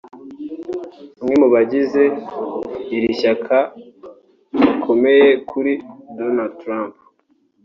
Bamwe mu bagize iri shyaka bakomeye kuri Donald Trump